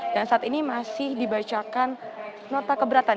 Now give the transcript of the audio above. dan saat ini masih dibacakan nota keberatan